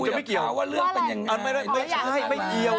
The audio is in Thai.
ว่าอะไรอ๋อเปรี้ยวเอ้าเปรี้ยวไม่ใช่อ่า